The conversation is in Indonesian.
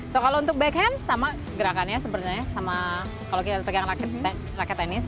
so kalau untuk back hand sama gerakannya sebenarnya sama kalau kita pegang rakyat tenis